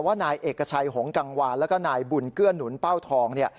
ว่านายเอกชัยหงกังวานแล้วก็นายบุญเกื้อนหนุนเป้าทองเนี่ย